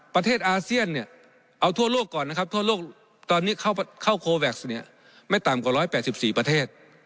ประเทศอาเซียนเนี่ยเอาทั่วโลกก่อนนะครับทั่วโลกตอนนี้เข้าโคแวคเนี่ยไม่ต่ำกว่า๑๘๔ประเทศ